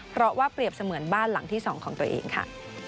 เพราะว่าเปรียบเสมือนบ้านหลังที่๒ของตัวเองค่ะ